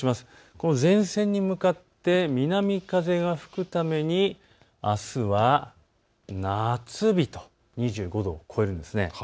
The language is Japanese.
この前線に向かって南風が吹くために、あすは夏日と２５度を超えるんです。